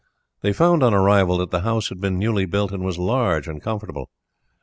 They found on arrival that the house had been newly built, and was large and comfortable.